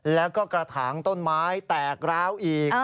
แล้วก็กระถางต้นไม้แตกร้าวอีก